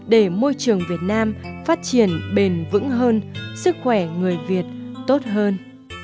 để môi trường việt nam phát triển bền vững hơn sức khỏe người việt tốt hơn